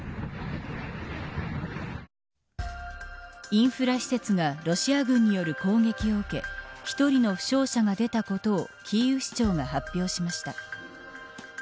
インフラ施設がロシア軍による攻撃を受け１人の負傷者が出たことをキーウ市長が発表しました。